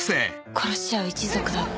「殺し合う一族だって」